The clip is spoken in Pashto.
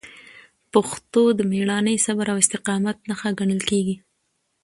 پښتو د میړانې، صبر او استقامت نښه ګڼل کېږي.